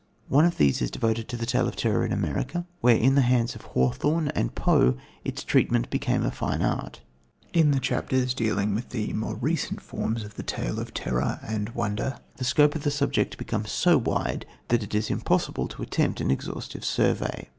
One of these is devoted to the Tale of Terror in America, where in the hands of Hawthorne and Poe its treatment became a fine art. In the chapters dealing with the more recent forms of the tale of terror and wonder, the scope of the subject becomes so wide that it is impossible to attempt an exhaustive survey.